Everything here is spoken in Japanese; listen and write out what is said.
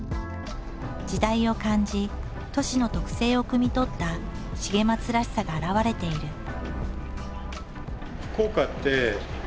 時代を感じ都市の特性をくみ取った重松らしさが表れている。